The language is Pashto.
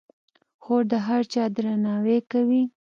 خور د هر چا درناوی کوي.